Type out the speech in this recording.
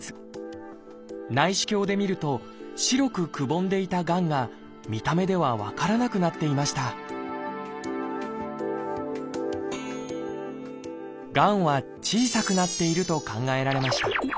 内視鏡で見ると白くくぼんでいたがんが見た目では分からなくなっていましたがんは小さくなっていると考えられました。